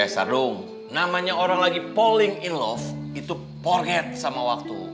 sardong namanya orang lagi falling in love itu forget sama waktu